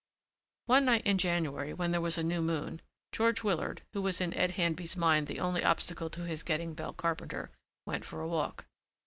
One night in January when there was a new moon George Willard, who was in Ed Handby's mind the only obstacle to his getting Belle Carpenter, went for a walk.